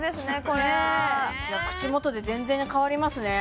これは口元で全然変わりますね